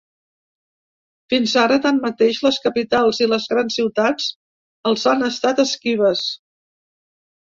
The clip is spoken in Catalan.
Fins ara, tanmateix, les capitals i les grans ciutats els han estat esquives.